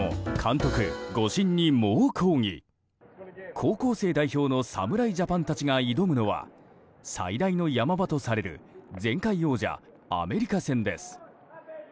高校生代表の侍ジャパンたちが挑むのは最大の山場とされる前回王者、アメリカ戦です。